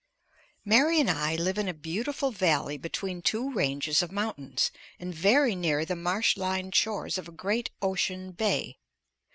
Mary and I live in a beautiful valley between two ranges of mountains and very near the marsh lined shores of a great ocean bay.